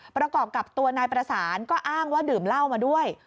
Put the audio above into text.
ประกอบกับตัวนายประสานก็อ้างว่าดื่มเหล้ามาด้วย